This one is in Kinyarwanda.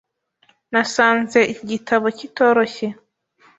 Nasanze iki gitabo kitoroshye.